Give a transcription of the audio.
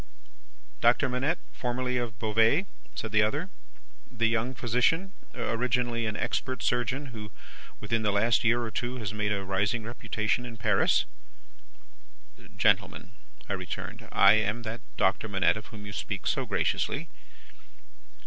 "'Doctor Manette, formerly of Beauvais,' said the other; 'the young physician, originally an expert surgeon, who within the last year or two has made a rising reputation in Paris?' "'Gentlemen,' I returned, 'I am that Doctor Manette of whom you speak so graciously.